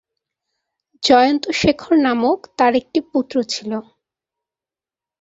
জয়ন্ত শেখর নামক তাঁর এক পুত্র ছিল।